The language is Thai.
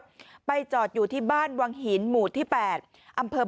เจอรถไปจอดอยู่ที่บ้านวางหินหมู่ที่๘อับเพิร์ช